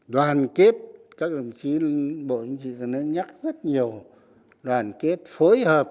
đủ bản lĩnh đủ trình độ đủ phương pháp